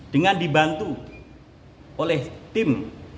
dengan dibantu oleh tim